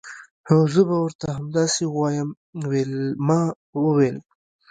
هو زه به ورته همداسې ووایم ویلما وویل